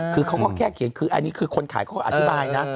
คือเขาก็แค่เขียนคืออันนี้คือคนขายเขาก็อธิบายนะ